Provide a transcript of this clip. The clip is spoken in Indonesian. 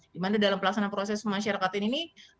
di mana dalam pelaksanaan proses pemasyarakatan ini